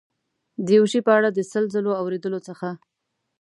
د یو شي په اړه د سل ځلو اورېدلو څخه.